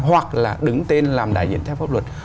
hoặc là đứng tên làm đại diện theo pháp luật